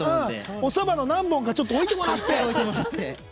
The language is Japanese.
おそばの何本か１回、置いてもらって。